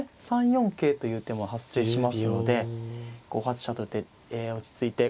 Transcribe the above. ３四桂という手も発生しますので５八飛車と落ち着いて。